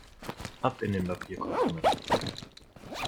Ab in den Papierkorb damit!